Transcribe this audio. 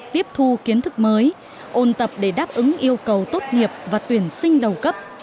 tiếp thu kiến thức mới ôn tập để đáp ứng yêu cầu tốt nghiệp và tuyển sinh đầu cấp